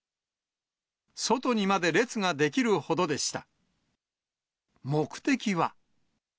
外にまで列が出来るほどでした。